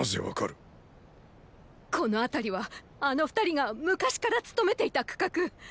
この辺りはあの二人が昔から務めていた区画。